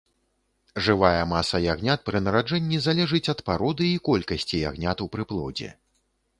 Жывая маса ягнят пры нараджэнні залежыць ад пароды і колькасці ягнят у прыплодзе.